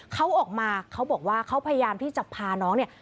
เขาออกมาเขาบอกว่าเขาพยายามที่จะพาน้องเนี่ย